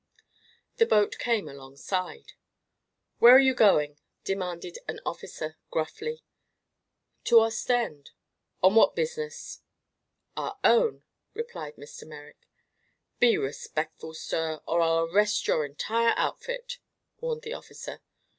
The boat came alongside. "Where are you going?" demanded an officer, gruffly. "To Ostend." "On what business?" "Our own," replied Mr. Merrick. "Be respectful, sir, or I'll arrest your entire outfit," warned the officer.